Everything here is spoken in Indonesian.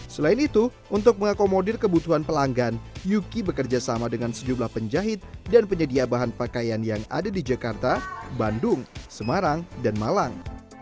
selain itu untuk mengakomodir kebutuhan pelanggan yuki bekerja sama dengan sejumlah penjahit dan penyedia bahan pakaian yang ada di jakarta bandung semarang dan malang